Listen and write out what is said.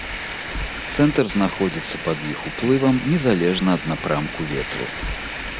Цэнтр знаходзіцца пад іх уплывам незалежна ад напрамку ветру.